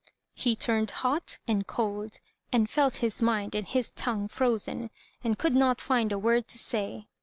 He turned hot and cold, and felt his mind and his tongue frozen, and could not find a word to say.